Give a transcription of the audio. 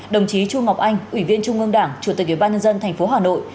đồng chí chu ngọc anh ủy viên trung ương đảng chủ tịch ủy ban nhân dân thành phố hà nội